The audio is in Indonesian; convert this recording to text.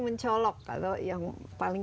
mencolok atau yang paling